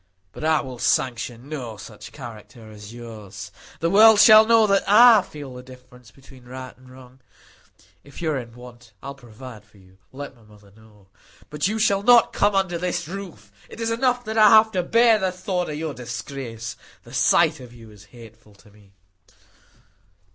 But I will sanction no such character as yours; the world shall know that I feel the difference between right and wrong. If you are in want, I will provide for you; let my mother know. But you shall not come under my roof. It is enough that I have to bear the thought of your disgrace; the sight of you is hateful to me."